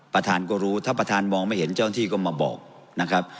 ท่านก็รู้ถ้าประธานมองไม่เห็นเจ้าหน้าที่ก็มาบอกนะครับ